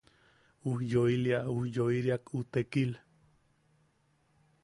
Ujyoilia... ujyoiriak u tekil.